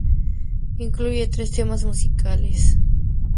Incluye tres temas musicales.